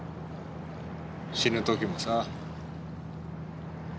死ぬ時もさ。